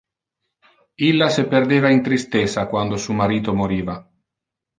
Illa se perdeva in tristessa quando su marito moriva.